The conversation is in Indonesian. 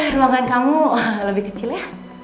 semangat kamu lebih kecil ya